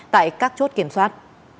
tại các chốt kiểm soát